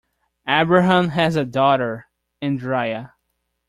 Abraham has a daughter, Endraya.